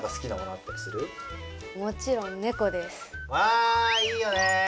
わいいよね。